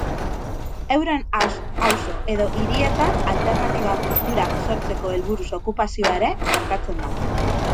Euren auzo edo hirietan alternatiba kulturak sortzeko helburuz okupazioa ere gertatzen da.